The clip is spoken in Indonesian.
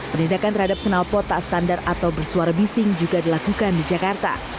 penindakan terhadap kenalpot tak standar atau bersuara bising juga dilakukan di jakarta